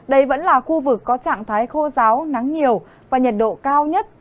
đây vẫn là khu vực có trạng thái khô giáo nắng nhiều và nhiệt độ cao nhất